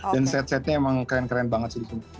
dan set setnya emang keren keren banget sih di sini